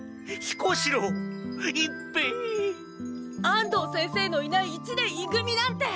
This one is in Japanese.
安藤先生のいない一年い組なんて。